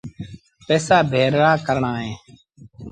پئيٚسآ ڀيڙآ ڪرڻآن اهيݩ